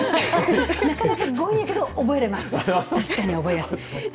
なかなか強引やけど覚えられます、覚えやすい。